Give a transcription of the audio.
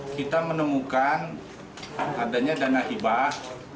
kita menemukan adanya dana hibah